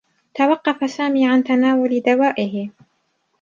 توقّف سامي عن تناول دوائه.